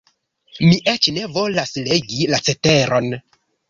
Mi eĉ ne volas legi la ceteron.